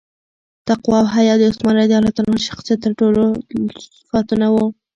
تقوا او حیا د عثمان رض د شخصیت تر ټولو لوړ صفتونه وو.